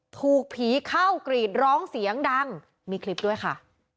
ถูกผีเข้ากรีดร้องเสียงดังมีคลิปด้วยค่ะ